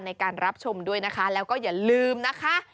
ในการรับชมด้วยนะคะแล้วก็อย่าลืมนะคะ